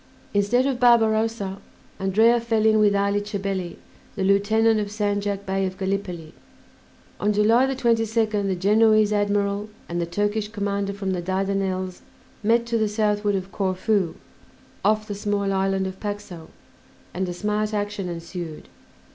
Instead of Barbarossa, Andrea fell in with Ali Chabelli, the lieutenant of Sandjak Bey of Gallipoli. On July 22nd the Genoese admiral and the Turkish commander from the Dardanelles met to the southward of Corfu, off the small island of Paxo, and a smart action ensued.